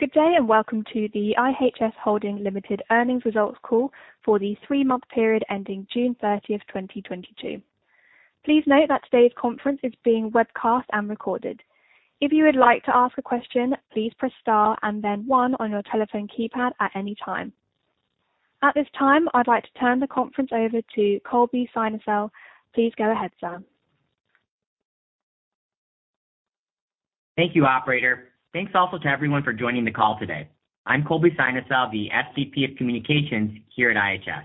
Good day, and welcome to the IHS Holding Limited Earnings Results Call for the three-month period ending June 30, 2022. Please note that today's conference is being webcast and recorded. If you would like to ask a question, please press star and then one on your telephone keypad at any time. At this time, I'd like to turn the conference over to Colby Synesael. Please go ahead, sir. Thank you, operator. Thanks also to everyone for joining the call today. I'm Colby Synesael, the SVP of Communications here at IHS.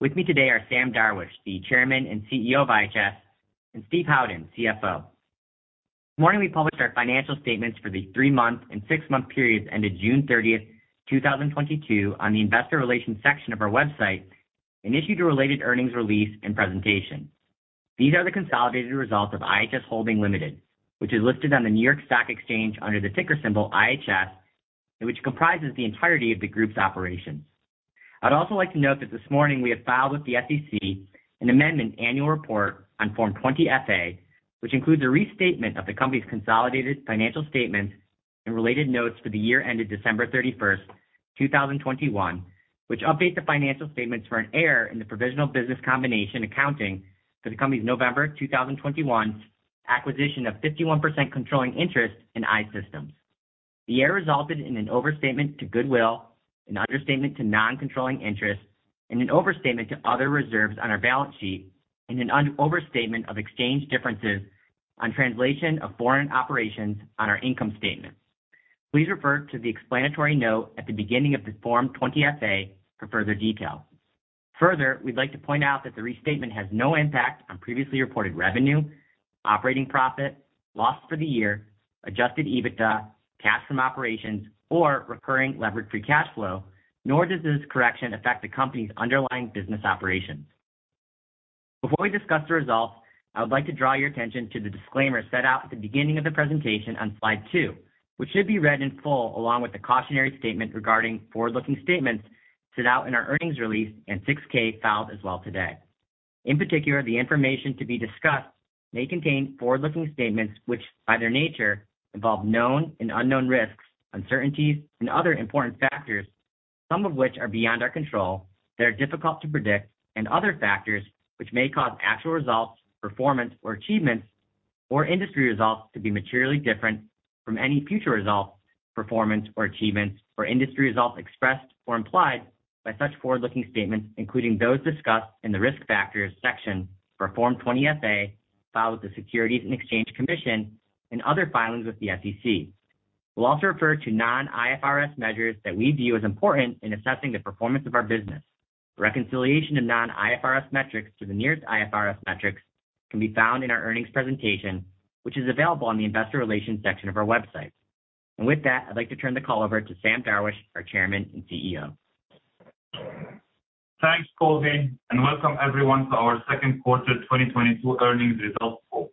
With me today are Sam Darwish, the Chairman and CEO of IHS, and Steve Howden, CFO. This morning, we published our financial statements for the three-month and six-month periods ended June 30, 2022 on the investor relations section of our website and issued a related earnings release and presentation. These are the consolidated results of IHS Holding Ltd., which is listed on the New York Stock Exchange under the ticker symbol IHS and which comprises the entirety of the group's operations. I'd also like to note that this morning we have filed with the SEC an amended annual report on Form 20-F/A, which includes a restatement of the company's consolidated financial statements and related notes for the year ended December 31st, 2021, which updates the financial statements for an error in the provisional business combination accounting for the company's November 2021 acquisition of 51% controlling interest I-Systems. the error resulted in an overstatement to goodwill, an understatement to non-controlling interest, and an overstatement to other reserves on our balance sheet, and an understatement of exchange differences on translation of foreign operations on our income statements. Please refer to the explanatory note at the beginning of the Form 20-F/A for further detail. Further, we'd like to point out that the restatement has no impact on previously reported revenue, operating profit, loss for the year, Adjusted EBITDA, cash from operations, or Recurring Levered Free Cash Flow, nor does this correction affect the company's underlying business operations. Before we discuss the results, I would like to draw your attention to the disclaimer set out at the beginning of the presentation on slide two, which should be read in full along with the cautionary statement regarding forward-looking statements set out in our earnings release and 6-K filed as well today. In particular, the information to be discussed may contain forward-looking statements which, by their nature, involve known and unknown risks, uncertainties, and other important factors, some of which are beyond our control that are difficult to predict and other factors which may cause actual results, performance or achievements or industry results to be materially different from any future results, performance or achievements or industry results expressed or implied by such forward-looking statements, including those discussed in the Risk Factors section for Form 20-F/A filed with the Securities and Exchange Commission and other filings with the SEC. We'll also refer to non-IFRS measures that we view as important in assessing the performance of our business. Reconciliation of Non-IFRS metrics to the nearest IFRS metrics can be found in our earnings presentation, which is available on the investor relations section of our website. With that, I'd like to turn the call over to Sam Darwish, our Chairman and CEO. Thanks, Colby, and welcome everyone to our second quarter 2022 earnings results call.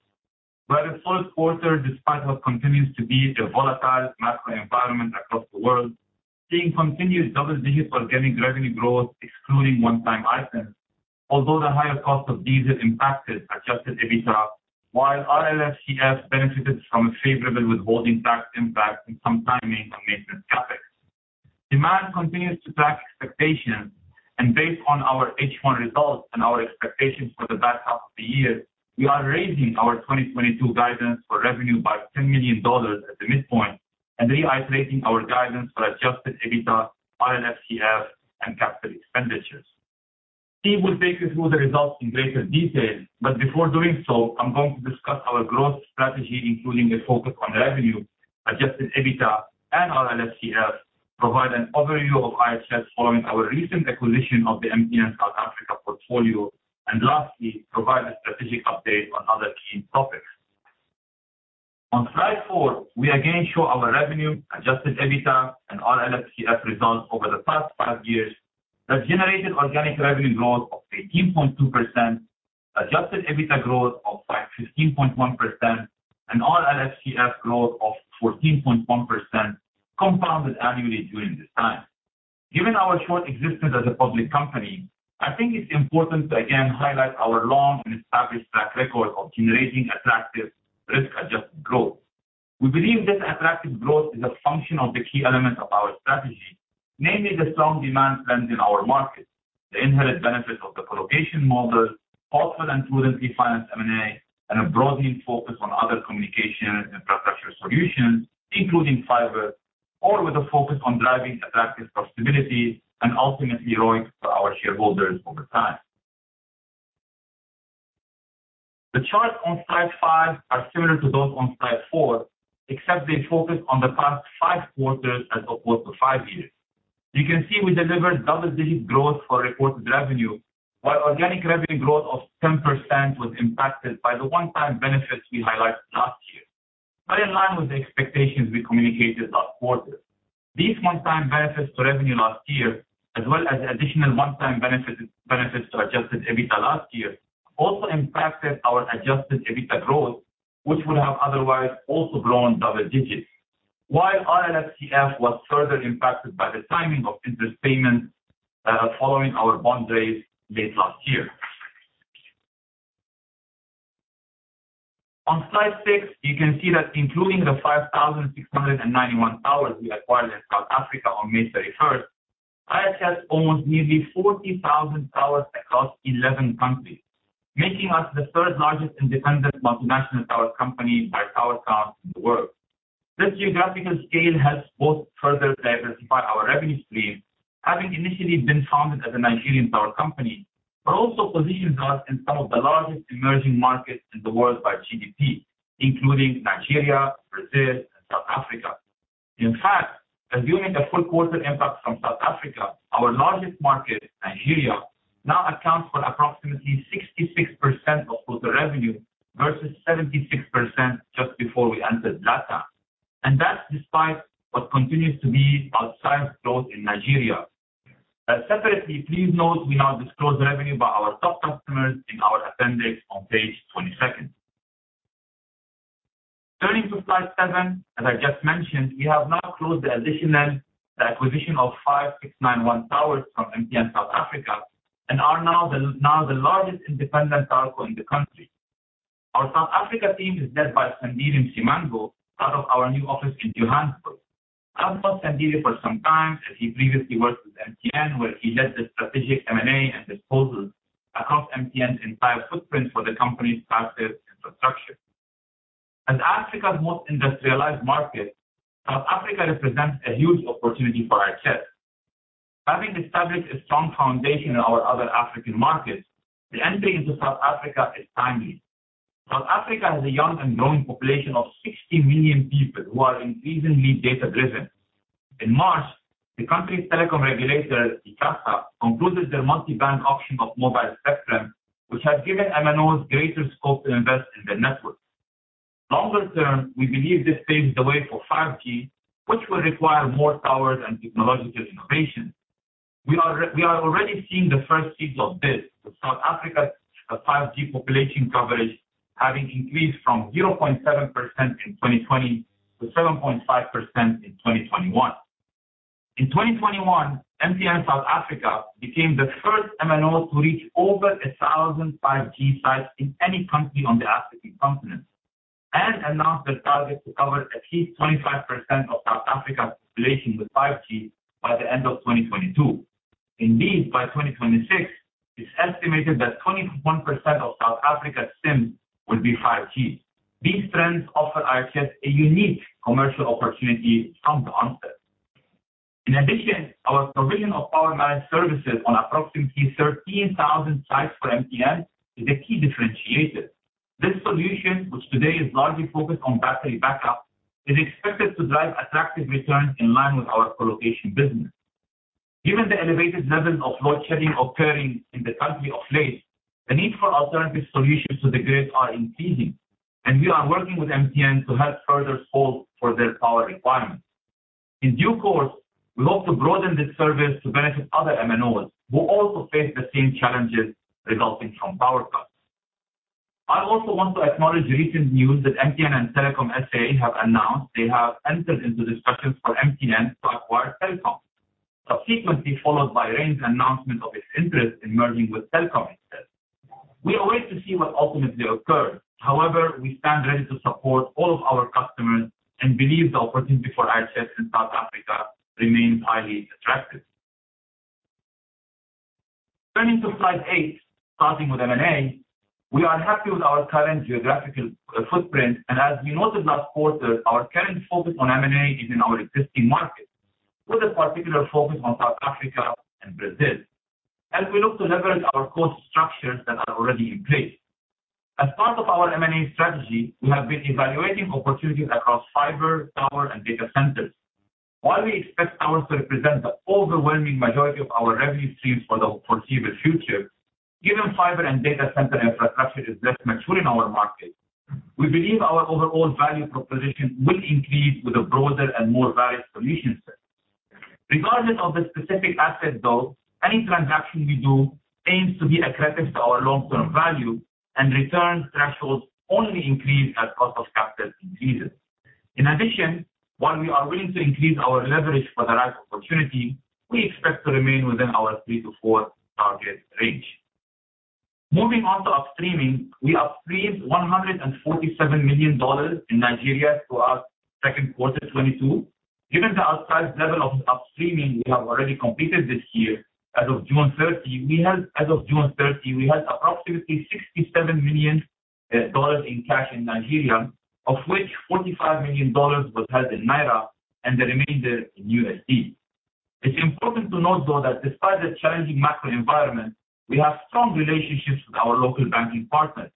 We had a solid quarter despite what continues to be a volatile macro environment across the world, seeing continuous double-digit organic revenue growth excluding one-time items. Although the higher cost of diesel impacted Adjusted EBITDA, while RLFCF benefited from a favorable withholding tax impact and some timing on maintenance CapEx. Demand continues to track expectations, and based on our H1 results and our expectations for the back half of the year, we are raising our 2022 guidance for revenue by $10 million at the midpoint and reiterating our guidance for Adjusted EBITDA, RLFCF, and capital expenditures. Steve will take you through the results in greater detail, but before doing so, I'm going to discuss our growth strategy, including a focus on revenue, Adjusted EBITDA and RLFCF, provide an overview of IHS following our recent acquisition of the MTN South Africa portfolio, and lastly, provide a strategic update on other key topics. On slide four, we again show our revenue, Adjusted EBITDA, and RLFCF results over the past five years that generated organic revenue growth of 18.2%, Adjusted EBITDA growth of 15.1%, and RLFCF growth of 14.1% compounded annually during this time. Given our short existence as a public company, I think it's important to again highlight our long and established track record of generating attractive risk-adjusted growth. We believe this attractive growth is a function of the key elements of our strategy, namely the strong demand trends in our markets, the inherent benefits of the colocation model, thoughtful and prudent M&A, and a broadening focus on other communication infrastructure solutions, including fiber, all with a focus on driving attractive profitability and ultimately ROI for our shareholders over time. The charts on slide five are similar to those on slide four, except they focus on the past five quarters as opposed to five years. You can see we delivered double-digit growth for reported revenue, while organic revenue growth of 10% was impacted by the one-time benefits we highlighted last year. Right in line with the expectations we communicated last quarter. These one-time benefits to revenue last year, as well as additional one-time benefits to Adjusted EBITDA last year, also impacted our Adjusted EBITDA growth, which would have otherwise also grown double digits. While RLFCF was further impacted by the timing of interest payments, following our bond raise late last year. On slide six, you can see that including the 5,691 towers we acquired in South Africa on May 31st, IHS owns nearly 40,000 towers across 11 countries, making us the third largest independent multinational tower company by tower counts in the world. This geographical scale helps both further diversify our revenue stream, having initially been founded as a Nigerian tower company, but also positions us in some of the largest emerging markets in the world by GDP, including Nigeria, Brazil and South Africa. In fact, assuming a full quarter impact from South Africa, our largest market, Nigeria, now accounts for approximately 66% of total revenue versus 76% just before we entered SA. That's despite what continues to be outsized growth in Nigeria. Separately, please note we now disclose revenue by our top customers in our appendix on page 22. Turning to slide seven, as I just mentioned, we have now closed the additional acquisition of 5,691 towers from MTN South Africa and are now the largest independent towerco in the country. Our South Africa team is led by Sandile Msimango out of our new office in Johannesburg. I've known Sandile for some time, as he previously worked with MTN, where he led the strategic M&A and disposals across MTN's entire footprint for the company's passive infrastructure. As Africa's most industrialized market, South Africa represents a huge opportunity for IHS. Having established a strong foundation in our other African markets, the entry into South Africa is timely. South Africa has a young and growing population of 60 million people who are increasingly data-driven. In March, the country's telecom regulator, ICASA, concluded their multi-band auction of mobile spectrum, which has given MNOs greater scope to invest in their networks. Longer term, we believe this paves the way for 5G, which will require more towers and technological innovation. We are already seeing the first seeds of this, with South Africa's 5G population coverage having increased from 0.7% in 2020 to 7.5% in 2021. In 2021, MTN South Africa became the first MNO to reach over 1,000 5G sites in any country on the African continent, and announced their target to cover at least 25% of South Africa's population with 5G by the end of 2022. Indeed, by 2026, it's estimated that 21% of South Africa's SIMs will be 5G. These trends offer IHS a unique commercial opportunity from the onset. In addition, our provision of power managed services on approximately 13,000 sites for MTN is a key differentiator. This solution, which today is largely focused on battery backup, is expected to drive attractive returns in line with our colocation business. Given the elevated levels of load shedding occurring in the country of late, the need for alternative solutions to the grid are increasing, and we are working with MTN to help further solve for their power requirements. In due course, we'll also broaden this service to benefit other MNOs who also face the same challenges resulting from power cuts. I also want to acknowledge recent news that MTN and Telkom SA have announced they have entered into discussions for MTN to acquire Telkom, subsequently followed by Rain's announcement of its interest in merging with Telkom instead. We await to see what ultimately occurs. However, we stand ready to support all of our customers and believe the opportunity for IHS in South Africa remains highly attractive. Turning to slide eight, starting with M&A, we are happy with our current geographical footprint, and as we noted last quarter, our current focus on M&A is in our existing markets with a particular focus on South Africa and Brazil as we look to leverage our cost structures that are already in place. As part of our M&A strategy, we have been evaluating opportunities across fiber, tower and data centers. While we expect towers to represent the overwhelming majority of our revenue streams for the foreseeable future, given fiber and data center infrastructure is less mature in our markets, we believe our overall value proposition will increase with a broader and more varied solution set. Regardless of the specific asset though, any transaction we do aims to be accretive to our long-term value and returns thresholds only increase as cost of capital increases. In addition, while we are willing to increase our leverage for the right opportunity, we expect to remain within our three to four target range. Moving on to upstreaming. We upstreamed $147 million in Nigeria throughout second quarter 2022. Given the outsized level of upstreaming we have already completed this year, as of June 30, we had approximately $67 million in cash in Nigeria, of which $45 million was held in Naira and the remainder in USD. It's important to note, though, that despite the challenging macro environment, we have strong relationships with our local banking partners,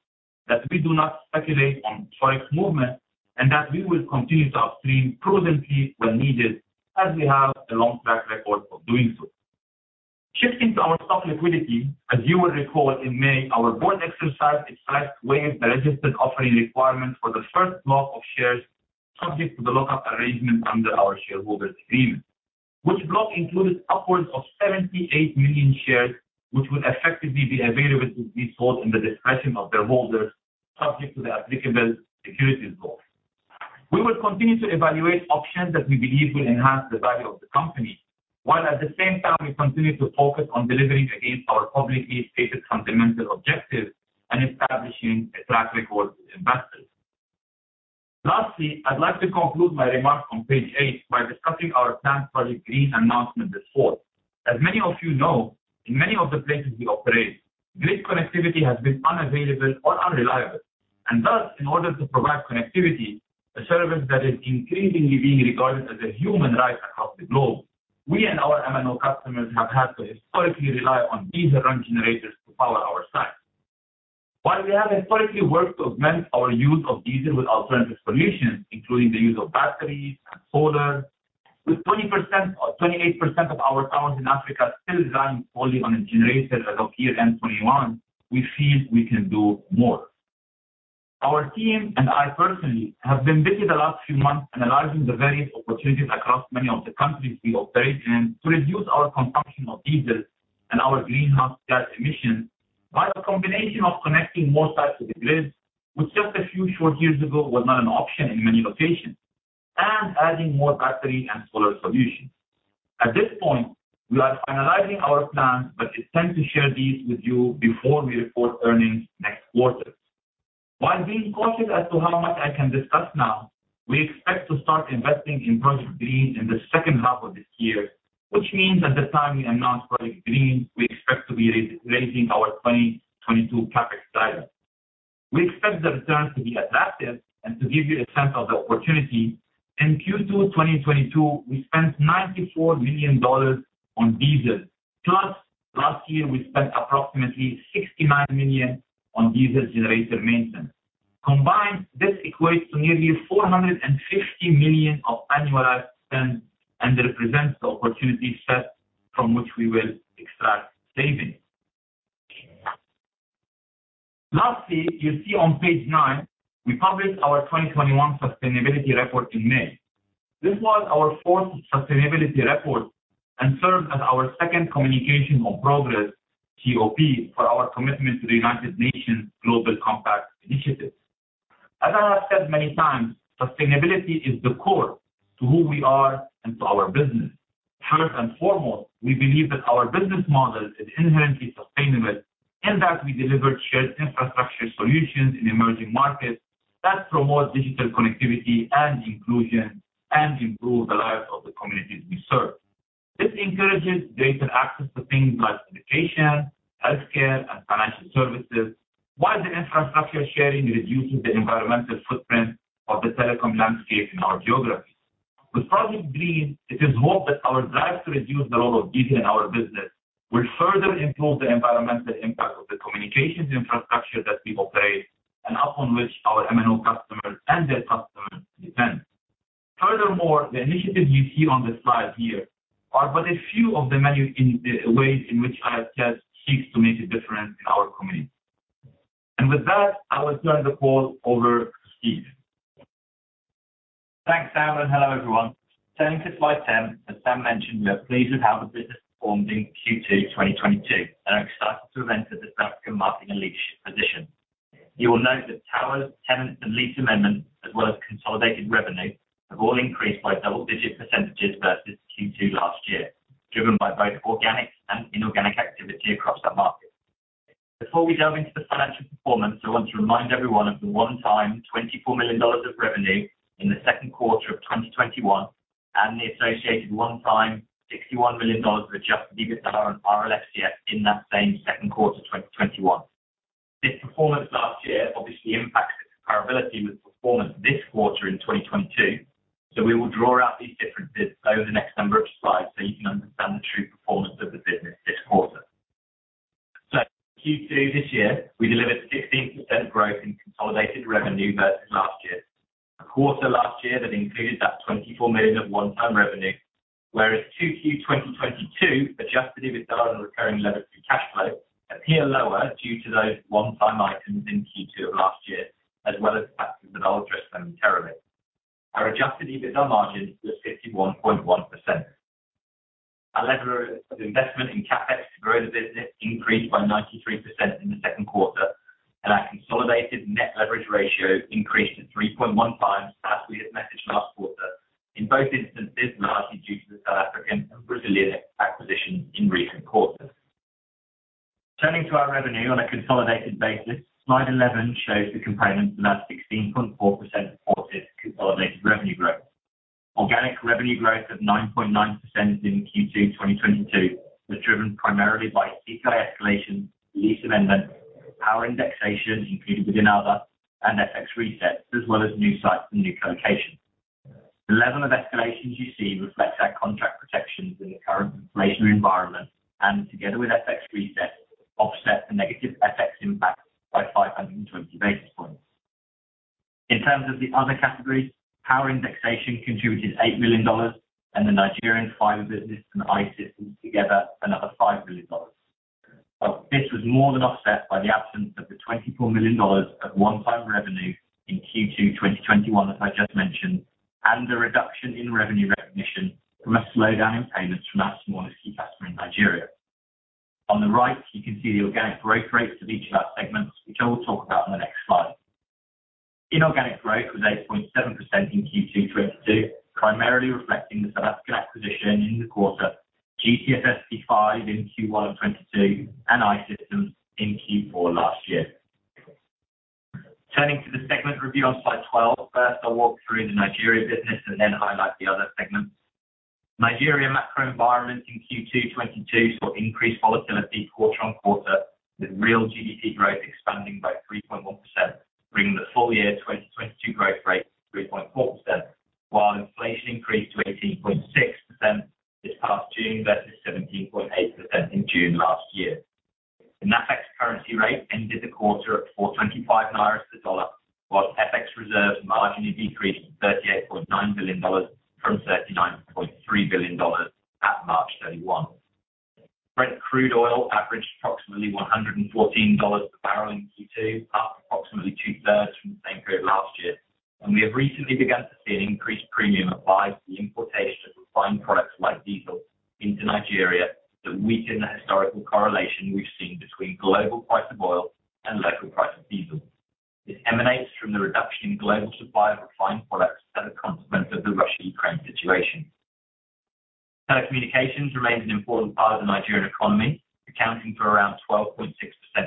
that we do not speculate on forex movement, and that we will continue to upstream prudently when needed as we have a long track record of doing so. Shifting to our stock liquidity. As you will recall, in May, our board exercised its right to waive the registered offering requirement for the first block of shares subject to the lock-up arrangement under our shareholders agreement, which block included upwards of 78 million shares, which would effectively be available to be sold in the discretion of their holders, subject to the applicable securities laws. We will continue to evaluate options that we believe will enhance the value of the company, while at the same time we continue to focus on delivering against our publicly stated fundamental objectives and establishing a track record with investors. Lastly, I'd like to conclude my remarks on page eight by discussing our planned Project Green announcement this fall. As many of you know, in many of the places we operate, grid connectivity has been unavailable or unreliable. Thus, in order to provide connectivity, a service that is increasingly being regarded as a human right across the globe, we and our MNO customers have had to historically rely on diesel run generators to power our sites. While we have historically worked to augment our use of diesel with alternative solutions, including the use of batteries and solar, with 20% or 28% of our towers in Africa still run fully on a generator as of year-end 2021, we feel we can do more. Our team and I personally have been busy the last few months analyzing the various opportunities across many of the countries we operate in to reduce our consumption of diesel and our greenhouse gas emissions by the combination of connecting more sites to the grid, which just a few short years ago was not an option in many locations, and adding more battery and solar solutions. At this point, we are finalizing our plans, but it's time to share these with you before we report earnings next quarter. While being cautious as to how much I can discuss now, we expect to start investing in Project Green in the second half of this year, which means at the time we announce Project Green, we expect to be raising our 2022 CapEx guidance. We expect the return to be attractive and to give you a sense of the opportunity. In Q2 2022, we spent $94 million on diesel, plus last year we spent approximately $69 million on diesel generator maintenance. Combined, this equates to nearly $450 million of annualized spend and represents the opportunity set from which we will extract savings. Lastly, you see on page nine, we published our 2021 sustainability report in May. This was our fourth sustainability report and serves as our second Communication of Progress, COP, for our commitment to the United Nations Global Compact. As I have said many times, sustainability is the core to who we are and to our business. First and foremost, we believe that our business model is inherently sustainable in that we deliver shared infrastructure solutions in emerging markets that promote digital connectivity and inclusion and improve the lives of the communities we serve. This encourages greater access to things like education, healthcare, and financial services, while the infrastructure sharing reduces the environmental footprint of the telecom landscape in our geographies. With Project Green, it is hoped that our drive to reduce the role of diesel in our business will further improve the environmental impact of the communications infrastructure that we operate and upon which our MNO customers and their customers depend. Furthermore, the initiatives you see on the slide here are but a few of the many in ways in which IHS seeks to make a difference in our community. With that, I will turn the call over to Steve. Thanks, Sam, and hello everyone. Turning to slide 10, as Sam mentioned, we are pleased with how the business performed in Q2 2022 and are excited to have entered the South African market in a lease position. You will note that towers, tenants, and lease amendments, as well as consolidated revenue, have all increased by double-digit percentages versus Q2 last year, driven by both organic and inorganic activity across our markets. Before we delve into the financial performance, I want to remind everyone of the one-time $24 million of revenue in the second quarter of 2021 and the associated one-time $61 million of Adjusted EBITDA and RLFCF in that same second quarter 2021. This performance last year obviously impacts the comparability with performance this quarter in 2022, so we will draw out these differences over the next number of slides so you can understand the true performance of the business this quarter. Q2 this year, we delivered 16% growth in consolidated revenue versus last year. A quarter last year that included that $24 million of one-time revenue, whereas Q2 2022, Adjusted EBITDA and Recurring Levered Free Cash Flow appear lower due to those one-time items in Q2 of last year, as well as factors that I'll address momentarily. Our Adjusted EBITDA margin was 51.1%. Our level of investment in CapEx to grow the business increased by 93% in the second quarter, and our consolidated net leverage ratio increased to 3.1x as we had mentioned last quarter. In both instances, largely due to the South African and Brazilian acquisitions in recent quarters. Turning to our revenue on a consolidated basis, slide 11 shows the components of that 16.4% reported consolidated revenue growth. Organic revenue growth of 9.9% in Q2 2022 was driven primarily by CPI escalations, lease amendments, power indexation included within other and FX resets, as well as new sites and new colocations. The level of escalations you see reflects our contract protections in the current inflationary environment, and together with FX resets, offset the negative FX impact by 520 basis points. In terms of the other categories, power indexation contributed $8 million and the Nigerian fiber business I-Systems together another $5 million. This was more than offset by the absence of the $24 million of one-time revenue in Q2 2021 that I just mentioned, and a reduction in revenue recognition from a slowdown in payments from our small ICT customer in Nigeria. On the right, you can see the organic growth rates of each of our segments, which I will talk about on the next slide. Inorganic growth was 8.7% in Q2 2022, primarily reflecting the South African acquisition in the quarter, GTS SP5 in Q1 2022, I-Systems in Q4 last year. Turning to the segment review on slide 12. First, I'll walk through the Nigeria business and then highlight the other segments. Nigeria macro environment in Q2 2022 saw increased volatility quarter-on-quarter, with real GDP growth expanding by 3.1%, bringing the full-year 2022 growth rate to 3.4%, while inflation increased to 18.6% this past June, versus 17.8% in June last year. The NAFEX currency rate ended the quarter at 425 Naira to the dollar, while FX reserves marginally decreased to $38.9 billion from $39.3 billion at March 31. Brent crude oil averaged approximately $114 per barrel in Q2, up approximately two-thirds from the same period last year. We have recently begun to see an increased premium applied to the importation of refined products like diesel into Nigeria that weaken the historical correlation we've seen between global price of oil and local price of diesel. This emanates from the reduction in global supply of refined products as a consequence of the Russia-Ukraine situation. Telecommunications remains an important part of the Nigerian economy, accounting for around 12.6%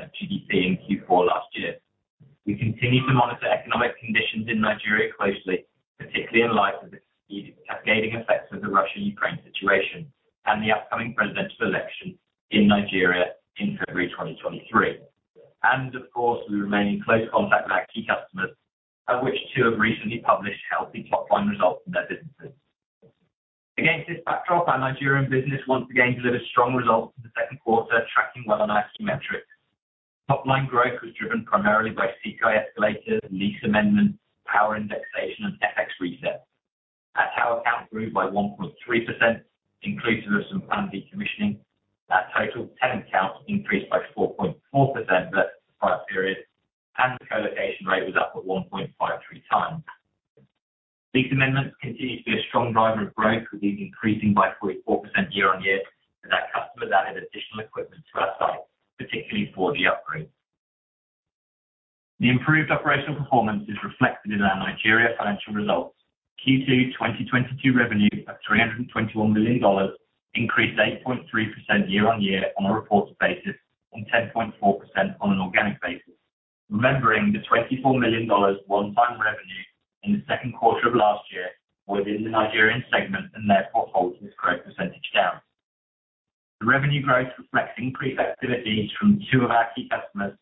of GDP in Q4 last year. We continue to monitor economic conditions in Nigeria closely, particularly in light of the cascading effects of the Russia-Ukraine situation and the upcoming presidential election in Nigeria in February 2023. Of course, we remain in close contact with our key customers, of which two have recently published healthy top-line results in their businesses. Against this backdrop, our Nigerian business once again delivered strong results in the second quarter, tracking well on our key metrics. Top line growth was driven primarily by CPI escalators, lease amendments, power indexation, and FX resets. Our tower count grew by 1.3% inclusive of some planned decommissioning. Our total tenant count increased by 4.4% versus prior period, and the colocation rate was up at 1.53x. These amendments continue to be a strong driver of growth, with these increasing by 44% year-on-year as our customers added additional equipment to our site, particularly 4G upgrades. The improved operational performance is reflected in our Nigeria financial results. Q2 2022 revenue of $321 million increased 8.3% year-on-year on a reported basis, and 10.4% on an organic basis. Remembering the $24 million one-time revenue in the second quarter of last year within the Nigerian segment and therefore holding its growth percentage down. The revenue growth reflects increased activities from two of our key customers,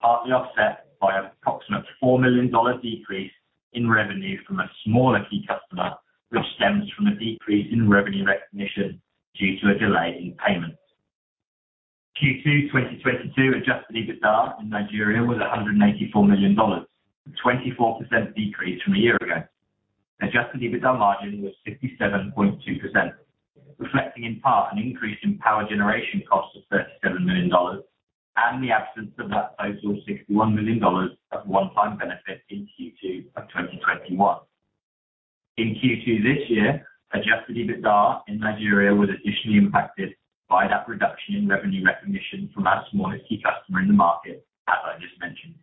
partly offset by approximate $4 million decrease in revenue from a smaller key customer, which stems from a decrease in revenue recognition due to a delay in payments. Q2 2022 Adjusted EBITDA in Nigeria was $184 million, a 24% decrease from a year ago. Adjusted EBITDA margin was 67.2%, reflecting in part an increase in power generation costs of $37 million, and the absence of that total $61 million of one-time benefit in Q2 of 2021. In Q2 this year, Adjusted EBITDA in Nigeria was additionally impacted by that reduction in revenue recognition from our smallest key customer in the market, as I just mentioned.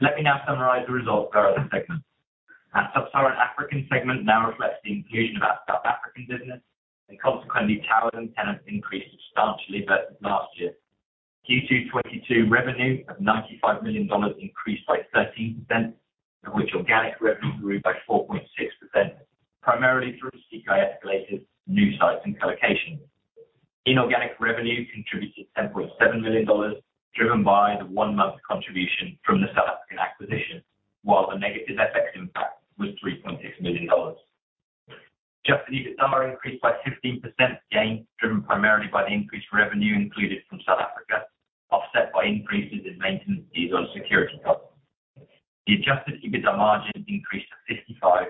Let me now summarize the results of our other segments. Our African segment now reflects the inclusion of our South African business, and consequently, towers and tenants increased substantially versus last year. Q2 2022 revenue of $95 million increased by 13%, of which organic revenue grew by 4.6%, primarily through CPI escalators, new sites and colocation. Inorganic revenue contributed $10.7 million, driven by the one-month contribution from the South African acquisition, while the negative FX impact was $3.6 million. Adjusted EBITDA increased by 15%, again driven primarily by the increased revenue included from South Africa, offset by increases in maintenance fees on security costs. The Adjusted EBITDA margin increased to 55.8%.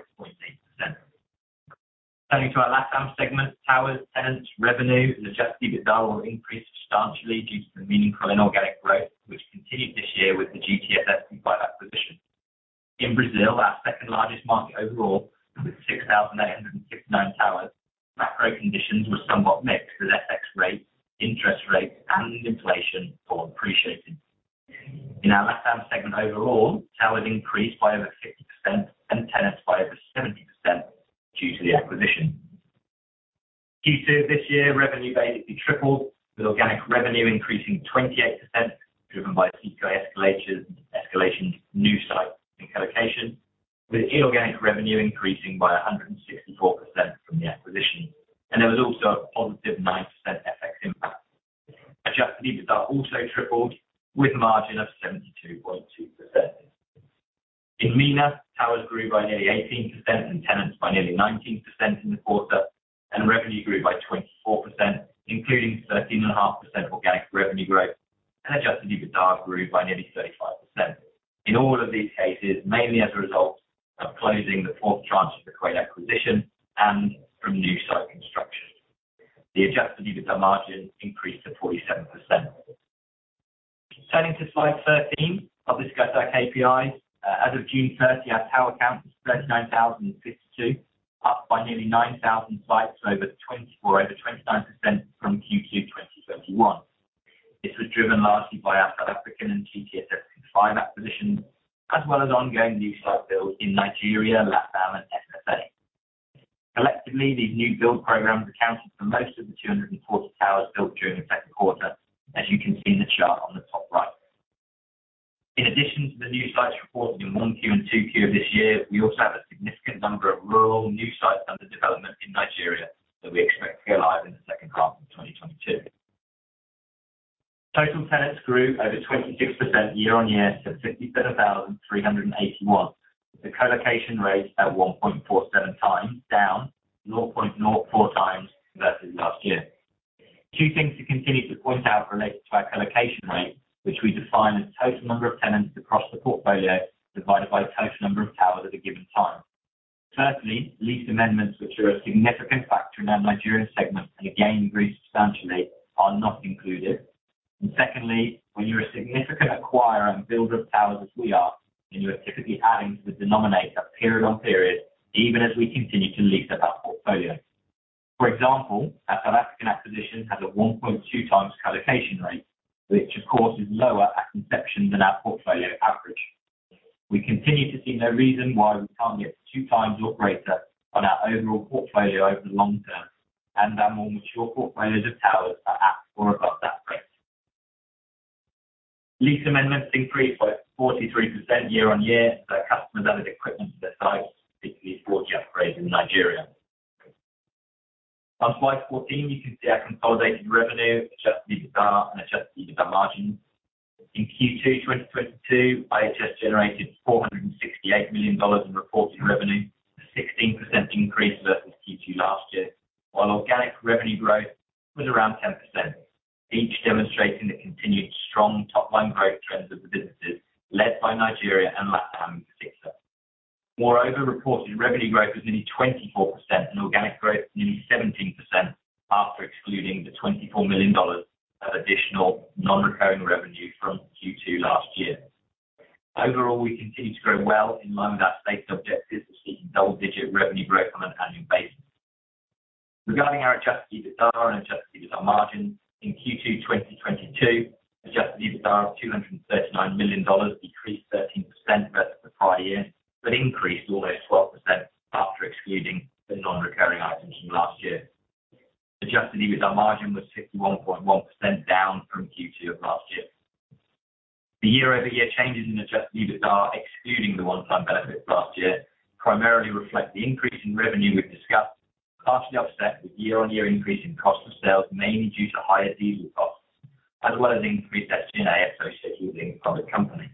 Turning to our Latam segment, towers, tenants, revenue, and adjusted EBITDA all increased substantially due to the meaningful inorganic growth which continued this year with the GTS SP5 acquisition. In Brazil, our second largest market overall with 6,869 towers, macro conditions were somewhat mixed as FX rates, interest rates, and inflation all appreciated. In our Latam segment overall, towers increased by over 50% and tenants by over 70% due to the acquisition. Q2 this year revenue basically tripled, with organic revenue increasing 28% driven by CPI escalations, new sites and colocation, with inorganic revenue increasing by 164% from the acquisition. There was also a +9% FX impact. Adjusted EBITDA also tripled with a margin of 72.2%. In MENA, towers grew by nearly 18% and tenants by nearly 19% in the quarter, and revenue grew by 24%, including 13.5% organic revenue growth and Adjusted EBITDA grew by nearly 35%. In all of these cases, mainly as a result of closing the fourth tranche of the Kuwait acquisition and from new site construction. The Adjusted EBITDA margin increased to 47%. Turning to slide 13. I'll discuss our KPIs. As of June 30, our tower count was 39,052, up by nearly 9,000 sites over 29% from Q2 2021. This was driven largely by our South African and GTS SP5 acquisitions, as well as ongoing new site builds in Nigeria, Latam, and SSA. Collectively, these new build programs accounted for most of the 240 towers built during the second quarter, as you can see in the chart on the top right. In addition to the new sites reported in 1Q and 2Q of this year, we also have a significant number of rural new sites under development in Nigeria that we expect to go live in the second half of 2022. Total tenants grew over 26% year-on-year to 67,381, with the colocation rate at 1.47x down 0.04x versus last year. Two things to continue to point out related to our colocation rate, which we define as total number of tenants across the portfolio divided by total number of towers at a given time. Thirdly, lease amendments, which are a significant factor in our Nigeria segment, and again, grew substantially, are not included. Secondly, when you're a significant acquirer and builder of towers as we are, then you are typically adding to the denominator period on period, even as we continue to lease up our portfolio. For example, our South African acquisition has a 1.2x colocation rate, which of course, is lower at conception than our portfolio average. We continue to see no reason why we can't get 2x or greater on our overall portfolio over the long term, and our more mature portfolios of towers are at or above that rate. Lease amendments increased by 43% year-on-year as our customers added equipment to their sites, particularly 4G upgrades in Nigeria. On slide 14, you can see our consolidated revenue, Adjusted EBITDA, and Adjusted EBITDA margins. In Q2 2022, IHS generated $468 million in reported revenue, a 16% increase versus Q2 last year. While organic revenue growth was around 10%, each demonstrating the continued strong top-line growth trends of the businesses led by Nigeria and Latam in particular. Moreover, reported revenue growth was nearly 24% and organic growth nearly 17%, after excluding the $24 million of additional non-recurring revenue from Q2 last year. Overall, we continue to grow well in line with our stated objectives of seeking double-digit revenue growth on an annual basis. Regarding our Adjusted EBITDA and Adjusted EBITDA margin in Q2 2022, Adjusted EBITDA of $239 million decreased 13% versus the prior year, but increased almost 12% after excluding the non-recurring items from last year. Adjusted EBITDA margin was 61.1% down from Q2 of last year. The year-over-year changes in Adjusted EBITDA, excluding the one-time benefits last year, primarily reflect the increase in revenue we've discussed, partially offset with year-over-year increase in cost of sales, mainly due to higher diesel costs, as well as increased SG&A associated with being a public company.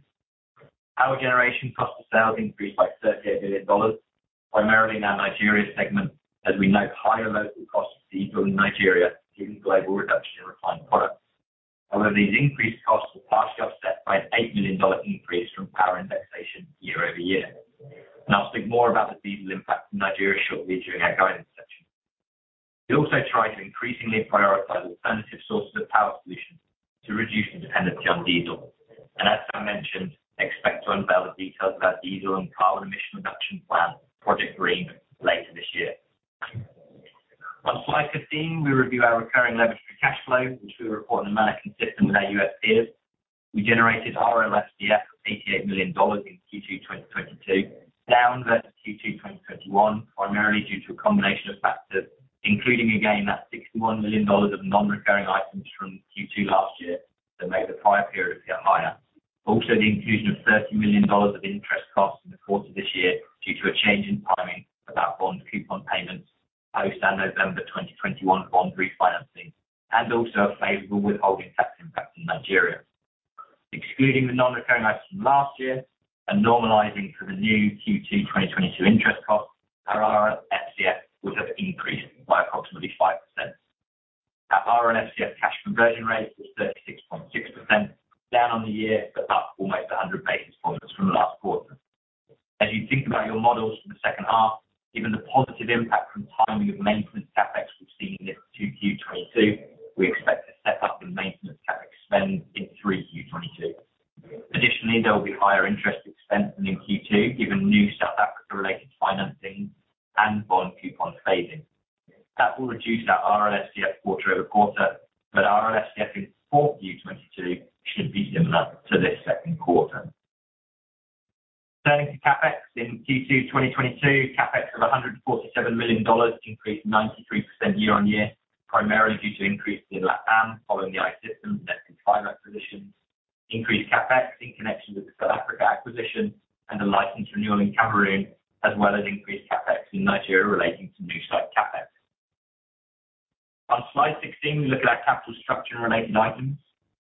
Our generation cost of sales increased by $38 million, primarily in our Nigeria segment, as we note higher local cost of diesel in Nigeria given global reduction in refined products. Although these increased costs were partially offset by an $8 million increase from power indexation year over year. I'll speak more about the diesel impact in Nigeria shortly during our guidance section. We also try to increasingly prioritize alternative sources of power solutions to reduce the dependency on diesel. As I mentioned, we expect to unveil the details of our diesel and carbon emission reduction plan, Project Green, later this year. On slide 15, we review our Recurring Levered Free Cash Flow, which we report in a manner consistent with our U.S. peers. We generated RLFCF of $88 million in Q2 2022, down versus Q2 2021, primarily due to a combination of factors, including again that $61 million of non-recurring items from Q2 last year that made the prior period appear higher. Also, the inclusion of $30 million of interest costs in the quarter this year due to a change in timing of our bond coupon payments post our November 2021 bond refinancing, and also a favorable withholding tax impact in Nigeria. Excluding the non-recurring items from last year and normalizing for the new Q2 2022 interest costs, our RLFCF would have increased by approximately 5%. Our RLFCF cash conversion rate was 36.6%, down on the year, but up almost 100 basis points from last quarter. As you think about your models for the second half, given the positive impact from timing of maintenance CapEx we've seen in 2Q 2022, we expect to step up the maintenance CapEx spend in 3Q 2022. Additionally, there will be higher interest expense than in Q2, given new South Africa related financing and bond coupon phasing. That will reduce our RLFCF quarter-over-quarter, but RLFCF in 4Q 2022 should be similar to this second quarter. Turning to CapEx in Q2 2022, CapEx of $147 million increased 93% year-on-year, primarily due to increase in Latam following I-Systems and GTS SP5 acquisitions, increased CapEx in connection with the South Africa acquisition and the license renewal in Cameroon, as well as increased CapEx in Nigeria relating to new site CapEx. On slide 16, we look at our capital structure and related items.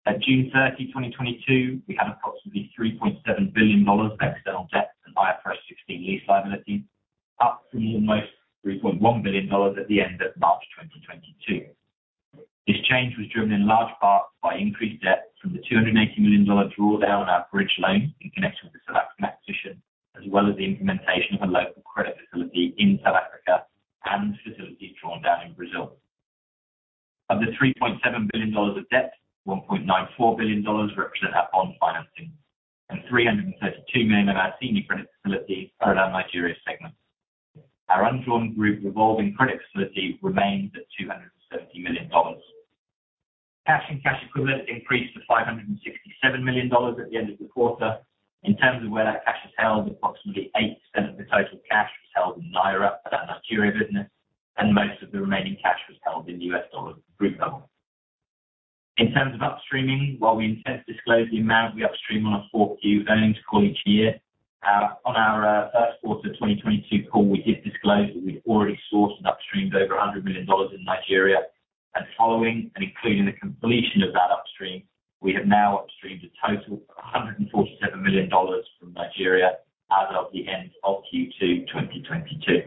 At June 30, 2022, we had approximately $3.7 billion of external debt and IFRS 16 lease liabilities, up from almost $3.1 billion at the end of March 2022. This change was driven in large part by increased debt from the $280 million draw down on our bridge loan in connection with as well as the implementation of a local credit facility in South Africa and facility drawn down in Brazil. Of the $3.7 billion of debt, $1.94 billion represent our bond financing, and $332 million of our senior credit facilities are in our Nigeria segment. Our undrawn group revolving credit facility remains at $270 million. Cash and cash equivalents increased to $567 million at the end of the quarter. In terms of where that cash is held, approximately 80% of the total cash was held in Naira for our Nigeria business, and most of the remaining cash was held in the U.S. dollar group level. In terms of upstreaming, while we intend to disclose the amount we upstream on our fourth Q earnings call each year, on our first quarter 2022 call, we did disclose that we'd already sourced and upstreamed over $100 million in Nigeria. Following and including the completion of that upstream, we have now upstreamed a total of $147 million from Nigeria as of the end of Q2 2022.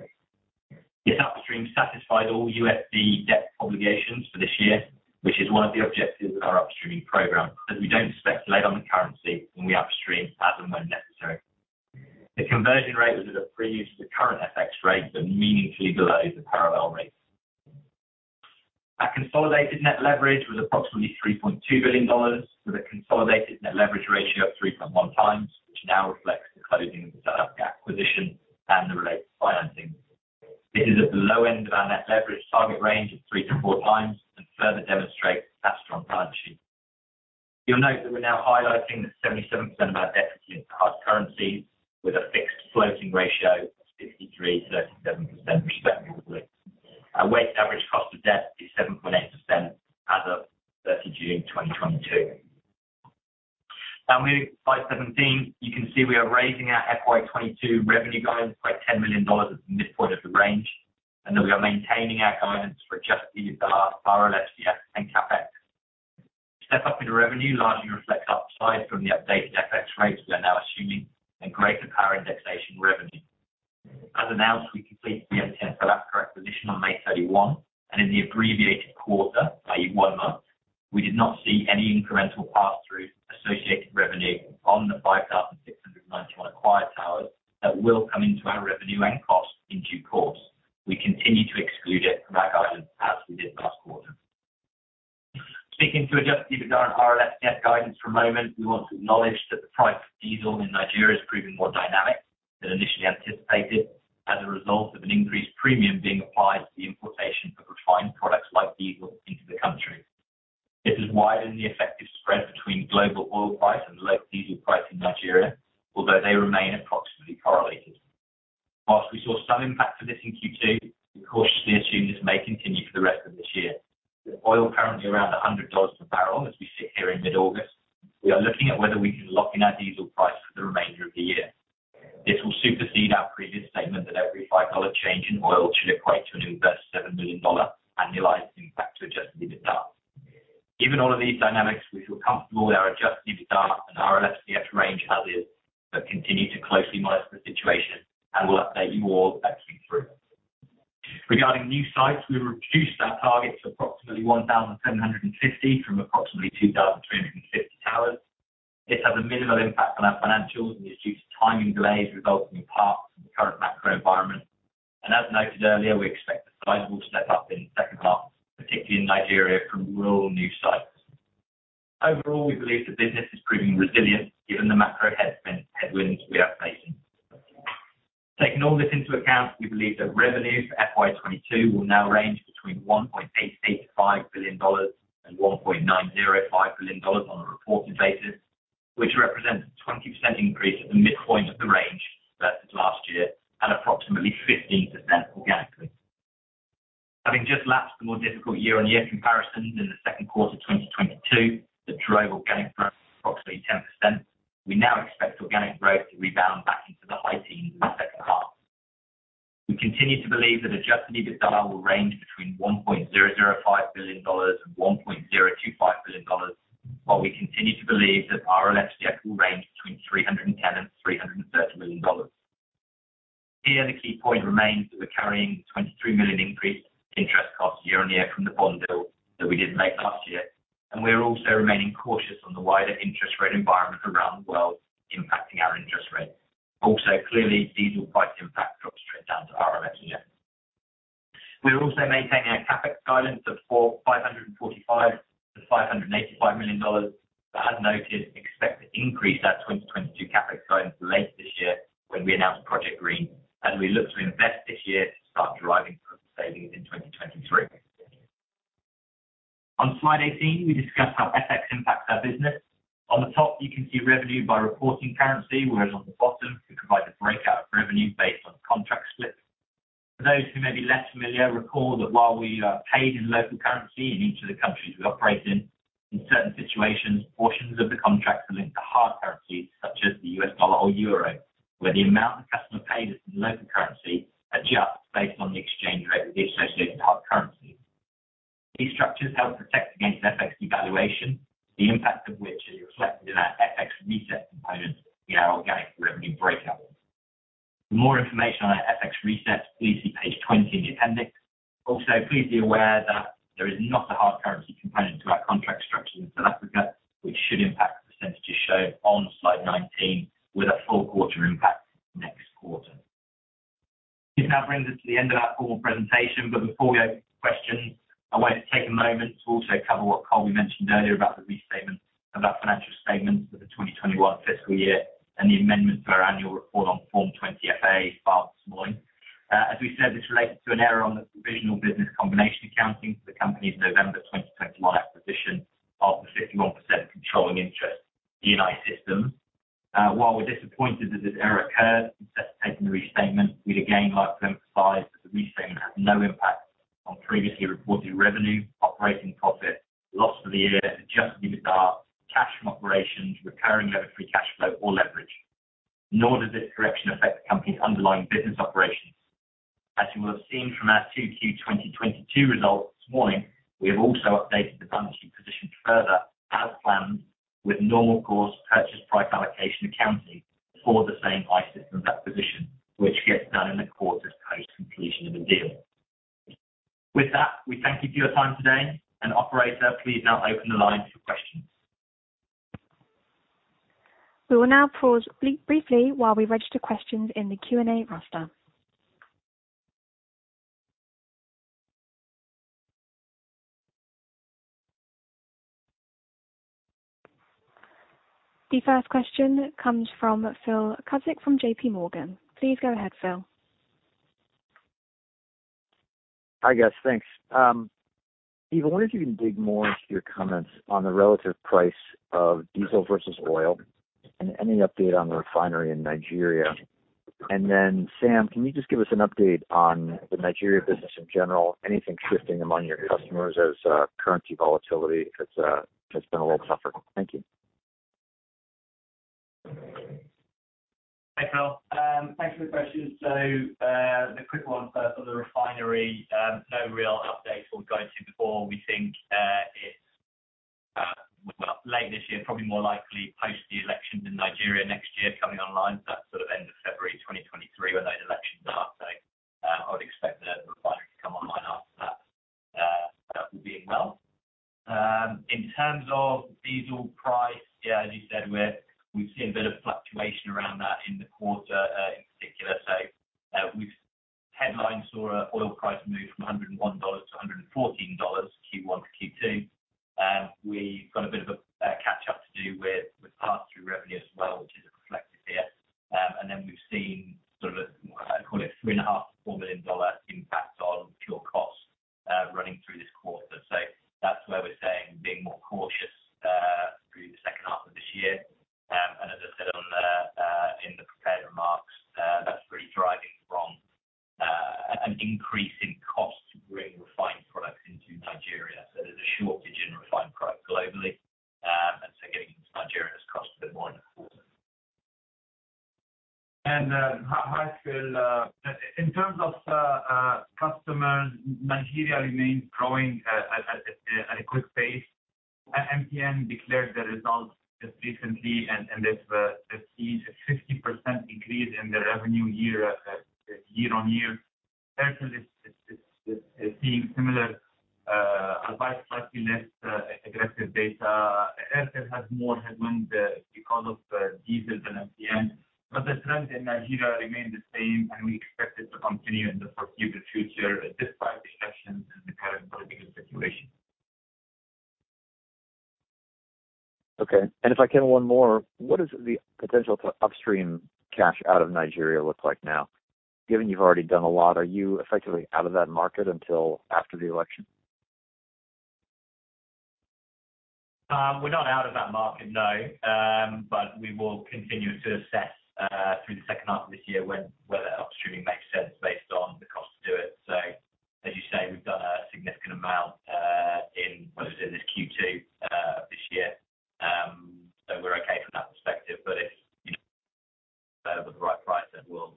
This upstream satisfied all USD debt obligations for this year, which is one of the objectives of our upstreaming program, as we don't speculate on the currency when we upstream as and when necessary. The conversion rate was at a premium to the current FX rates and meaningfully below the parallel rates. Our consolidated net leverage was approximately $3.2 billion, with a consolidated net leverage ratio of 3.1x, which now reflects the closing of the South Africa acquisition and the related financing. It is at the low end of our net leverage target range of three to four times and further demonstrates our strong balance sheet. You'll note that we're now highlighting that 77% of our debt is in hard currencies with a fixed-floating ratio of 63%-37% respectively. Our weighted average cost of debt is 7.8% as of June 30, 2022. Now moving to slide 17, you can see we are raising our FY 2022 revenue guidance by $10 million at the midpoint of the range, and that we are maintaining our guidance for Adjusted EBITDA, RLFCF, and CapEx. Step up in revenue largely reflects upside from the updated FX rates we are now assuming and greater power indexation revenue. As announced, we completed the MTN Nigeria acquisition on May 31, and in the abbreviated quarter, i.e., one month, we did not see any incremental pass-through associated revenue on the 5,691 acquired towers that will come into our revenue and cost in due course. We continue to exclude it from our guidance as we did last quarter. Speaking to Adjusted EBITDA and RLFCF guidance for a moment, we want to acknowledge that the price of diesel in Nigeria is proving more dynamic than initially anticipated as a result of an increased premium being applied to the importation of refined products like diesel into the country. This is widening the effective spread between global oil price and the local diesel price in Nigeria, although they remain approximately correlated. While we saw some impact of this in Q2, we cautiously assume this may continue for the rest of this year. With oil currently around $100 per barrel as we sit here in mid-August, we are looking at whether we can lock in our diesel price for the remainder of the year. This will supersede our previous statement that every $5 change in oil should equate to an inverse $7 million annualized impact to Adjusted EBITDA. Given all of these dynamics, we feel comfortable with our Adjusted EBITDA and RLFCF range as is, but continue to closely monitor the situation and will update you all at Q3. Regarding new sites, we have reduced our target to approximately 1,750 from approximately 2,350 towers. This has a minimal impact on our financials and is due to timing delays resulting in part from the current macro environment. As noted earlier, we expect a sizable step-up in the second half, particularly in Nigeria from rural new sites. Overall, we believe the business is proving resilient given the macro headwinds we are facing. Taking all this into account, we believe that revenue for FY 2022 will now range between $1.885 billion and $1.905 billion on a reported basis, which represents a 20% increase at the midpoint of the range versus last year and approximately 15% organically. Having just lapped the more difficult year-on-year comparisons in the second quarter of 2022 that drove organic growth approximately 10%, we now expect organic growth to rebound back into the high teens in the second half. We continue to believe that Adjusted EBITDA will range between $1.005 billion and $1.025 billion, while we continue to believe that RLFCF will range between $310 million and $330 million. Here, the key point remains that we're carrying $23 million increase in interest costs year-on-year from the bond deal that we didn't make last year, and we are also remaining cautious on the wider interest rate environment around the world impacting our interest rate. Also, clearly, diesel price impact drops straight down to RLFCF. We are also maintaining our CapEx guidance of $445 million-$585 million, but as noted, expect to increase our 2022 CapEx guidance later this year when we announce Project Green as we look to invest this year to start driving further savings in 2023. On slide 18, we discuss how FX impacts our business. On the top, you can see revenue by reporting currency, whereas on the bottom, we provide the breakout of revenue based on contract splits. For those who may be less familiar, recall that while we are paid in local currency in each of the countries we operate in certain situations, portions of the contracts are linked to hard currencies such as the U.S. dollar or euro, where the amount the customer pays in local currency adjusts based on the exchange rate with the associated hard currency. These structures help protect against FX devaluation, the impact of which is reflected in our FX reset component in our organic revenue breakout. For more information on our FX resets, please see page 20 in the appendix. Also, please be aware that there is not a hard currency component to our contract structure in South Africa, which should impact the percentages shown on slide 19 with a full quarter impact next quarter. This now brings us to the end of our formal presentation, but before we open questions, have also updated the balance sheet position further as planned with normal course purchase price allocation accounting for the I-Systems acquisition, which gets done in the quarters post completion of the deal. With that, we thank you for your time today, and operator, please now open the line for questions. We will now pause briefly while we register questions in the Q&A roster. The first question comes from Phil Cusick from JPMorgan. Please go ahead, Phil. Hi, guys. Thanks. Steve, I wonder if you can dig more into your comments on the relative price of diesel versus oil and any update on the refinery in Nigeria. Sam, can you just give us an update on the Nigeria business in general, anything shifting among your customers as currency volatility has been a little tougher? Thank you. Hi, Phil. Thanks for the question. The quick one first on the refinery, no real update, late this year, probably more likely post the elections in Nigeria next year coming online. That's sort of end of February 2023 when those elections are. I would expect the refinery to come online after that all being well. In terms of diesel price, yeah, as you said, we've seen a bit of fluctuation around that in the quarter, in particular. We've seen the oil price move from $101 to $114, Q1 to Q2. We've got a bit of a catch up to do with pass-through revenue as well, which is reflected here. We've seen sort of call it $3.5 million-$4 million impact on fuel costs running through this quarter. That's where we're saying being more cautious through the second half of this year. As I said in the prepared remarks, that's really driven by an increase in costs to bring refined products into Nigeria. There's a shortage in refined products globally, and getting into Nigeria has cost a bit more. Hi, Phil. In terms of customers, Nigeria remains growing at a quick pace. MTN declared the results just recently, and they've received a 50% increase in revenue year on year. Airtel is seeing similar, although slightly less aggressive data. Airtel has more headwinds because of diesel than MTN. The trend in Nigeria remains the same, and we expect it to continue in the future despite disruptions in the current political situation. Okay. If I can, one more. What is the potential to upstream cash out of Nigeria look like now? Given you've already done a lot, are you effectively out of that market until after the election? We're not out of that market, no. But we will continue to assess through the second half of this year whether upstreaming makes sense based on the cost to do it. As you say, we've done a significant amount in whether it is Q2 this year. We're okay from that perspective. If you know with the right price then we'll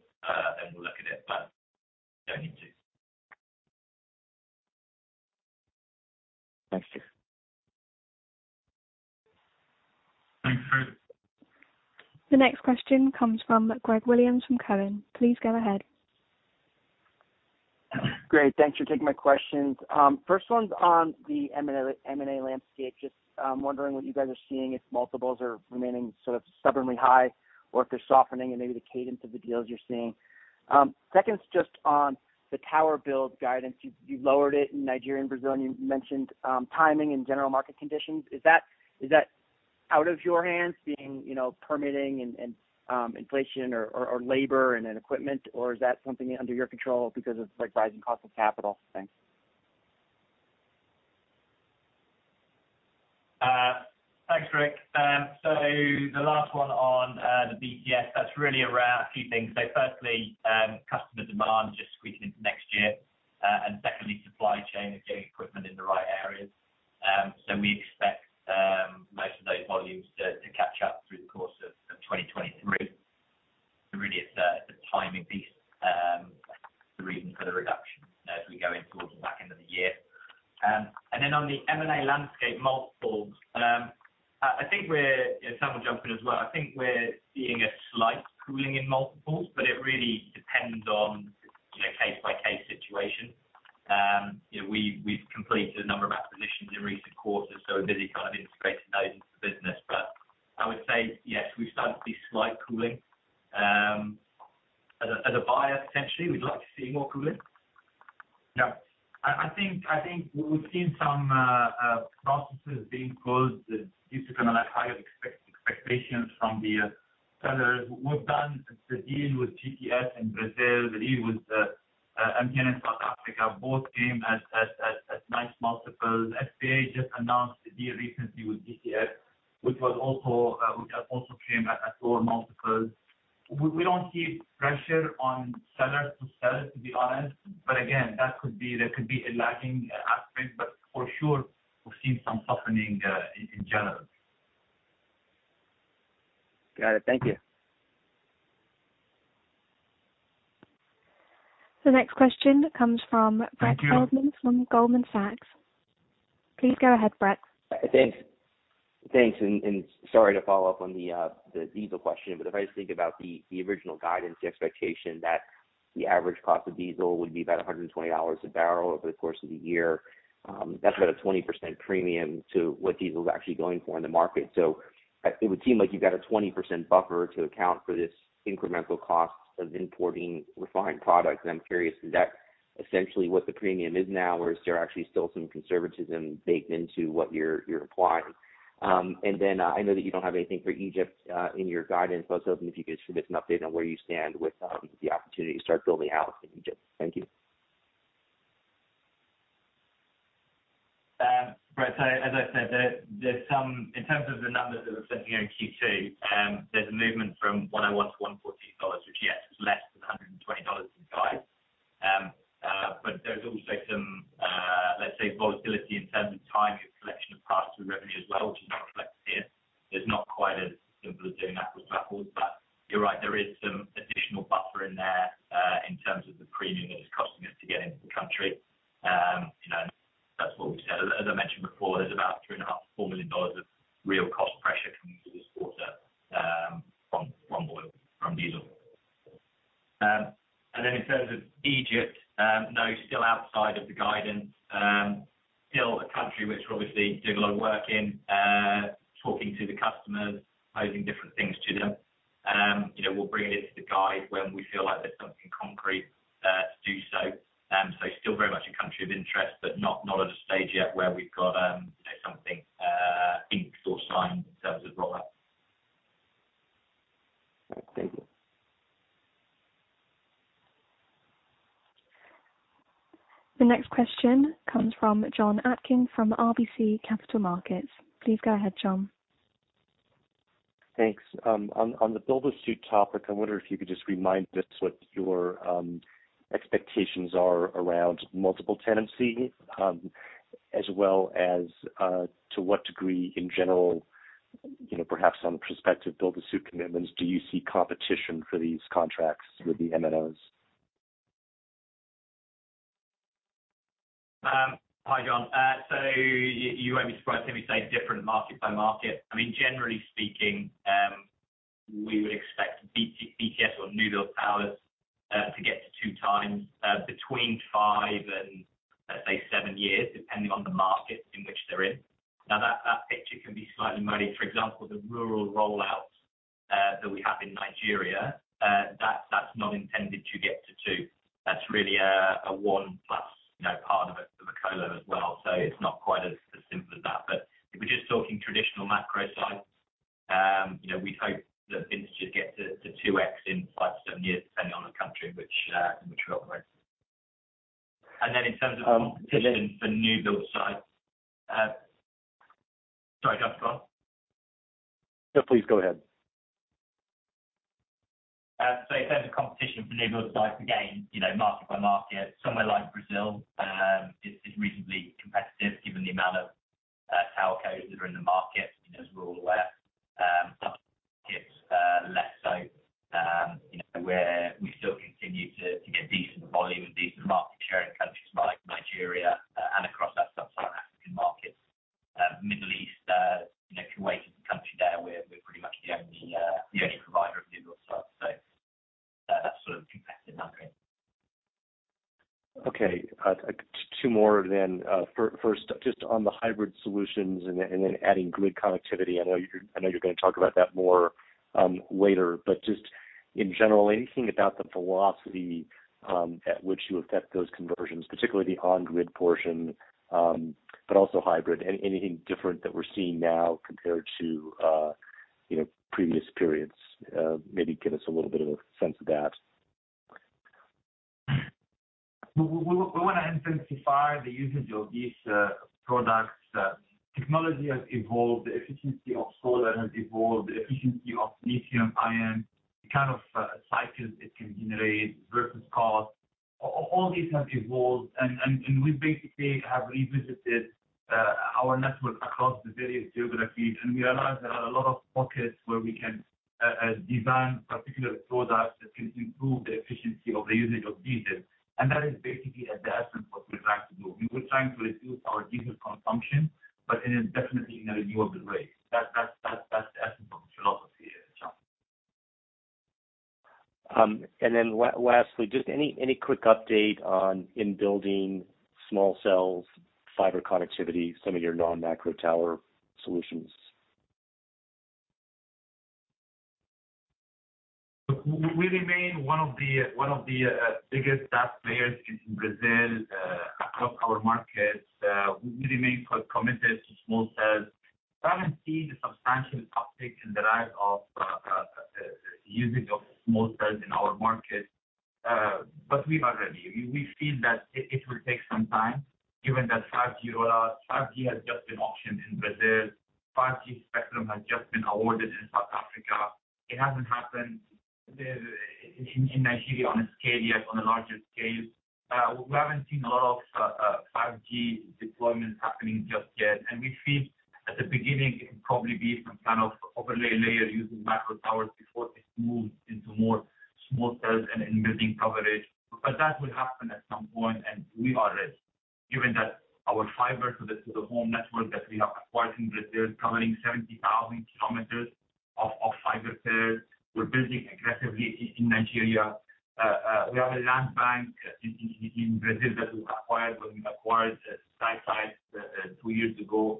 look at it. No need to. Thank you. Thanks, Phil. The next question comes from Greg Williams from TD Cowen. Please go ahead. Great. Thanks for taking my questions. First one's on the M&A landscape. Just wondering what you guys are seeing if multiples are remaining sort of stubbornly high or if they're softening and maybe the cadence of the deals you're seeing. Second's just on the tower build guidance. You've lowered it in Nigeria and Brazil. You mentioned timing and general market conditions. Is that out of your hands being you know permitting and inflation or labor and equipment? Or is that something under your control because of like rising cost of capital? Thanks. Thanks, Greg. The last one on the BTS, that's really around a few things. Firstly, customer demand just squeaking into next year. Secondly, supply chain of getting equipment in the right areas. We expect most of those volumes to catch up through the course of 2023. Really it's the timing piece, the reason for the reduction as we go into towards the back end of the year. On the M&A landscape multiples, I think if someone will jump in as well. I think we're seeing a slight cooling in multiples, but it really essentially what the premium is now? Or is there actually still some conservatism baked into what you're applying? I know that you don't have anything for Egypt in your guidance. I was hoping if you could just give us an update on where you stand with the opportunity to start building out in Egypt. Thank you. Brett, as I said, in terms of the numbers that we're sending here in Q2, there's a movement from $101 to $114, which, yes, is less than $120 in guide. But there's also some, let's say volatility in terms of timing of collection of parts of the revenue as well, which is not reflected here. It's not quite as simple as doing apples to apples, but you're right, there is some additional buffer in there, in terms of the premium that is costing us to get into the country. You know, that's what we said. As I mentioned before, there's about $3.5 million-$4 million of real cost pressure coming through this quarter, from oil, from diesel. In terms of Egypt, no, still outside of the guidance, still a country which we obviously do a lot of work in, talking to the customers, posing different things to them. You know, we'll bring it into the guide when we feel like there's something concrete to do so. Still very much a country of interest, but not at a stage yet where we've got, you know, something inked or signed in terms of rollout. All right. Thank you. The next question comes from Jon Atkin from RBC Capital Markets. Please go ahead, Jon. Thanks. On the build to suit topic, I wonder if you could just remind us what your expectations are around multiple tenancy, as well as to what degree in general, you know, perhaps on prospective build to suit commitments, do you see competition for these contracts with the MNOs? Hi, Jon. So you won't be surprised if we say different market by market. I mean, generally speaking, we would expect BT, BTS or new build towers to get to 2x between five and, let's say, seven years, depending on the market in which they're in. Now, that picture can be slightly muddy. For example, the rural rollouts that we have in Nigeria, that's not intended to get to 2x. That's really a one plus, you know, part of a colocation as well. It's not quite as simple as that. If we're just talking traditional macro sites, you'd hope that things should get to 2x in five to seven years, depending on the country which we operate. Then in terms of competition for new build sites. Sorry, Jon. Go on. No, please go ahead. In terms of competition for new build sites, again, you know, market by market, somewhere like Brazil is reasonably competitive given the amount of telcos that are in the market, you know, as we're all aware. Some markets less so. You know, where we still continue to get decent volume and decent market share in countries like Nigeria and across our Sub-Saharan African markets. Middle East, you know, Kuwait is a country there we're pretty much the only provider of new build sites. That's sort of competitive now. Okay. Two more then. First, just on the hybrid solutions and then adding grid connectivity. I know you're gonna talk about that more later. Just in general, anything about the velocity at which you affect those conversions, particularly the on-grid portion, but also hybrid. Anything different that we're seeing now compared to, you know, previous periods? Maybe give us a little bit of a sense of that. We wanna intensify the usage of these products. Technology has evolved. The efficiency of solar has evolved. The efficiency of lithium-ion, the kind of cycles it can generate versus cost. All these have evolved and we basically have revisited our network across the various geographies, and we realize there are a lot of pockets where we can design particular products that can improve the efficiency of the usage of diesel. That is basically at the essence what we're trying to do. We were trying to reduce our diesel consumption, but definitely in a doable way. That's the essence of the philosophy, Jon. Lastly, just any quick update on in-building small cells, fiber connectivity, some of your non-macro tower solutions. We remain one of the biggest DAS players in Brazil across our markets. We remain committed to small cells. We haven't seen a substantial uptick in the rise of usage of small cells in our markets, but we are ready. We feel that it will take some time given that 5G rollout. 5G has just been auctioned in Brazil. 5G spectrum has just been awarded in South Africa. It hasn't happened in Nigeria on a scale yet, on a larger scale. We haven't seen a lot of 5G deployments happening just yet. We feel at the beginning it'll probably be some kind of overlay layer using macro towers before this moves into more small cells and in-building coverage. That will happen at some point, and we are ready given that our fiber to the home network that we have acquired in Brazil covering 70,000 km of fiber pairs. We're building aggressively in Nigeria. We have a land bank in Brazil that we acquired when we acquired Skysites two years ago.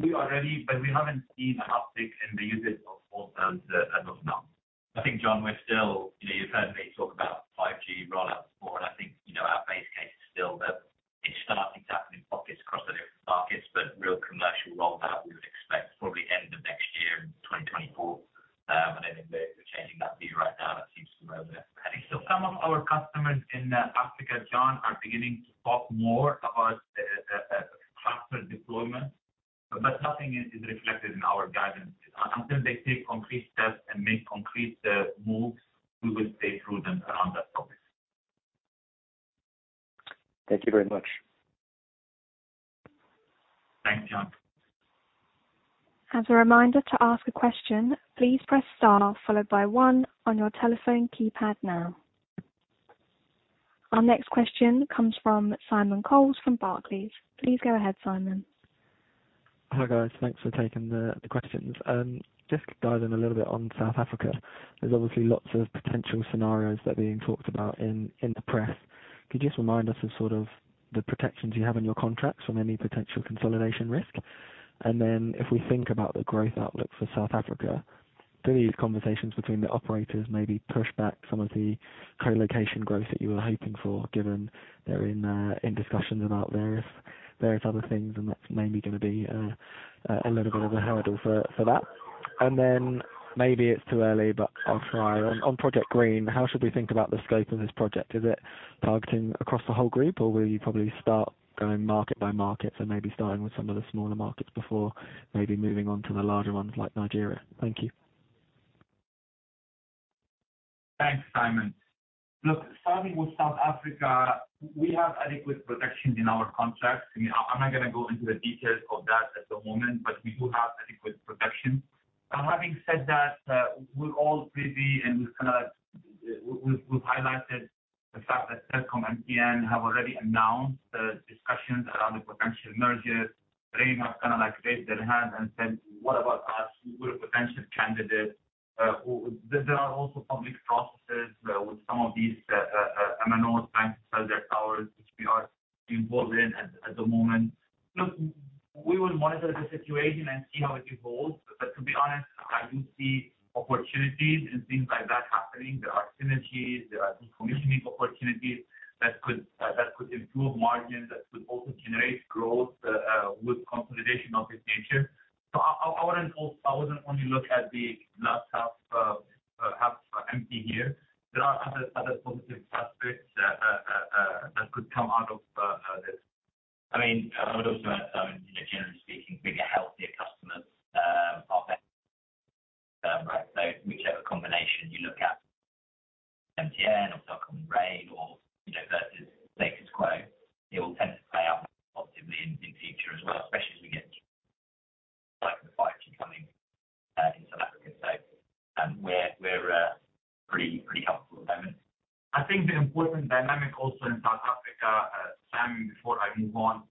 We are ready, but we haven't seen an uptick in the usage of small cells as of now. I think, Jon, we're still. You know, you've heard me talk about 5G rollouts more, and I think, you know, our base case is still that it's starting to happen in pockets across the different markets, but real commercial rollout we would expect probably end of next year in 2024. I don't think we're changing that view right now. That seems to where we're heading. Some of our customers in Africa, Jon, are beginning to talk more about faster deployment, but nothing is reflected in our guidance. Until they take concrete steps and make concrete moves, we will stay prudent around that topic. Thank you very much. Thanks, Jon. As a reminder to ask a question, please press star followed by one on your telephone keypad now. Our next question comes from Simon Coles from Barclays. Please go ahead, Simon. Hi, guys. Thanks for taking the questions. Just dive in a little bit on South Africa. There's obviously lots of potential scenarios that are being talked about in the press. Could you just remind us of sort of the protections you have in your contracts from any potential consolidation risk? If we think about the growth outlook for South Africa, do these conversations between the operators maybe push back some of the colocation growth that you were hoping for, given they're in discussions about various other things, and that's maybe gonna be a little bit of a hurdle for that? Maybe it's too early, but I'll try. On Project Green, how should we think about the scope of this project? Is it targeting across the whole group, or will you probably start going market by market and maybe starting with some of the smaller markets before maybe moving on to the larger ones like Nigeria? Thank you. Thanks, Simon. Look, starting with South Africa, we have adequate protections in our contracts. I'm not gonna go into the details of that at the moment, but we do have adequate protection. Having said that, we're all privy and we've kinda highlighted the fact that Telkom and MTN have already announced discussions around the potential mergers. Rain has kinda like raised their hand and said, "What about us? We're a potential candidate." There are also public processes with some of these MNOs trying to sell their towers, which we are involved in at the moment. Look, we will monitor the situation and see how it evolves. To be honest, I do see opportunities in things like that happening. There are synergies, there are decommissioning opportunities that could improve margins, that could also generate growth with consolidation of this nature. I wouldn't only look at the glass half empty here. There are other positive aspects that could come out of this. I mean, I would also add, Simon, you know, generally speaking, we get healthier customers. Right. Whichever combination you look at, MTN or Telkom and Rain or, you know, versus status quo, it will tend to play out positively in future as well, especially as we get 5G coming in South Africa. We're pretty comfortable at the moment. I think the important dynamic also in South Africa, Simon, before I move on,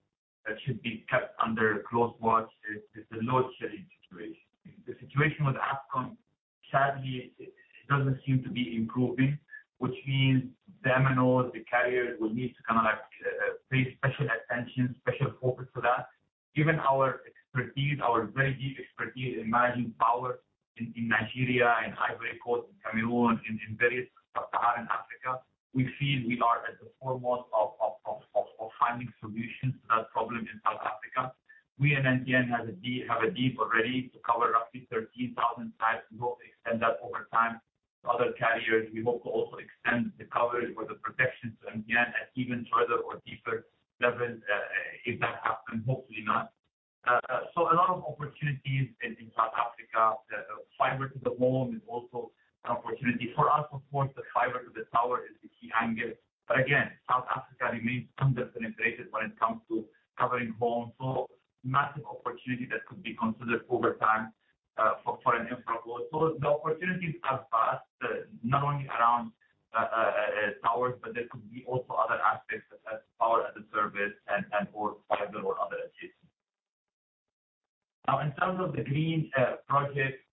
that should be kept under close watch is the load shedding situation. The situation with Eskom sadly it doesn't seem to be improving, which means the MNOs, the carriers will need to kinda like pay special attention, special focus to that. Given our expertise, our very deep expertise in managing power in Nigeria, in Ivory Coast, in Cameroon, in various sub-Saharan Africa, we feel we are at the forefront of finding solutions to that problem in South Africa. We and MTN have a deal already to cover up to 13,000 sites. We hope to extend that over time to other carriers. We hope to also extend the coverage or the protection to MTN at even further or deeper levels, if that happens, hopefully not. A lot of opportunities in South Africa. Fiber to the home is also an opportunity. For us, of course, the fiber to the tower is the key angle. Again, South Africa remains underpenetrated when it comes to covering homes. Massive opportunity that could be considered over time, for an infra build. The opportunities are vast, not only around towers, but there could be also other aspects such as power as a service and/or fiber or other adjacent. Now, in terms of Project Green,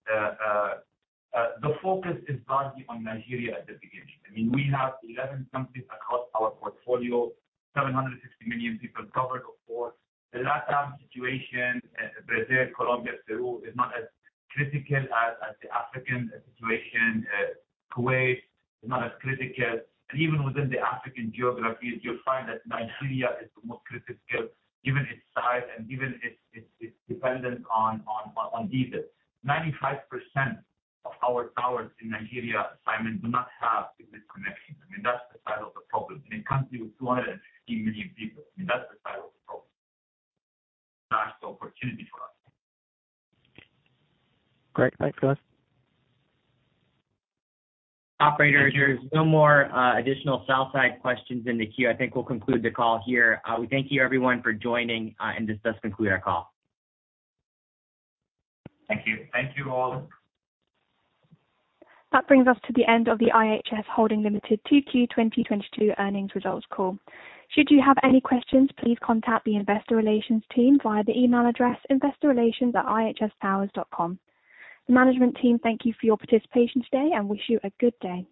the focus is largely on Nigeria at the beginning. I mean, we have 11 countries across our portfolio, 760 million people covered, of course. The Latam situation, Brazil, Colombia, Peru, is not as critical as the African situation. Kuwait is not as critical. Even within the African geographies, you'll find that Nigeria is the most critical given its size and given its dependence on diesel. 95% of our towers in Nigeria, Simon, do not have grid connection. I mean, that's the size of the problem in a country with 250 million people. I mean, that's the size of the problem. That's the opportunity for us. Great. Thanks, guys. Operator, there's no more additional sell-side questions in the queue. I think we'll conclude the call here. We thank you everyone for joining, and this does conclude our call. Thank you. Thank you all. That brings us to the end of the IHS Holding Ltd 2Q 2022 earnings results call. Should you have any questions, please contact the investor relations team via the email address, investorrelations@ihstowers.com. The management team thank you for your participation today and wish you a good day.